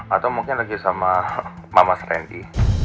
atau mungkin lagi sama mama sni